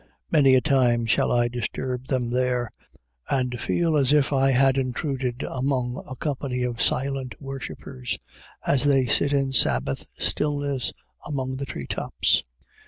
Many a time shall I disturb them there, and feel as if I had intruded among a company of silent worshipers as they sit in Sabbath stillness among the treetops.